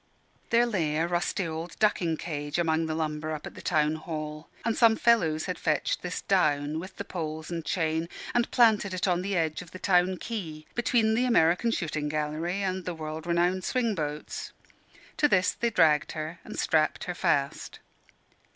There lay a rusty old ducking cage among the lumber up at the town hall; and some fellows had fetched this down, with the poles and chain, and planted it on the edge of the Town Quay, between the American Shooting Gallery and the World Renowned Swing Boats. To this they dragged her, and strapped her fast.